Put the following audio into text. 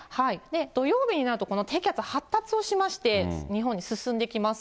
土曜日になると、この低気圧、発達をしまして、日本に進んできます。